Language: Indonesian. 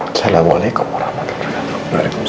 assalamualaikum warahmatullahi wabarakatuh